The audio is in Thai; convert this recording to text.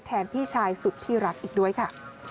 พี่ชายสุดที่รักอีกด้วยค่ะ